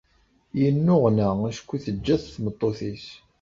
Yennuɣna acku teǧǧa-t tmeṭṭut-is.